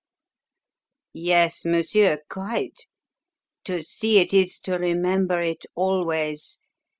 "Yes, monsieur, quite. To see it is to remember it always.